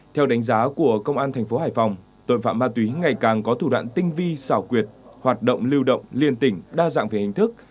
theo đánh giá của công an thành phố hải phòng tội phạm ma túy ngày càng có thủ đoạn tinh vi xảo quyệt hoạt động lưu động liên tỉnh đa dạng về hình thức